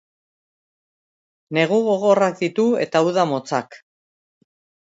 Negu gogorrak ditu eta uda motzak.